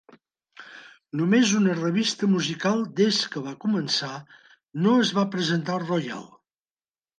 Només una revista musical des que va començar no es va representar al Royal.